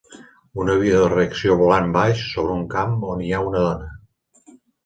Un avió de reacció volant baix sobre un camp on hi ha una dona.